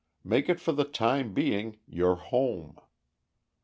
Make it for the time being your home.